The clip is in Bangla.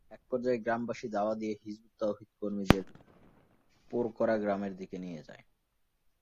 একপর্যায়ে গ্রামবাসী ধাওয়া দিয়ে হিজবুত তওহিদ কর্মীদের পোরকরা গ্রামের দিকে নিয়ে যায়।